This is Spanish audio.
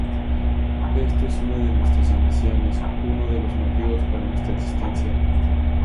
Esto es una de nuestras ambiciones; uno de los motivos para nuestra existencia.